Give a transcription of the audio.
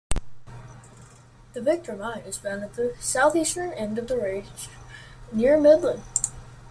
The Victor Mine is found at the southeastern end of the range near Midland.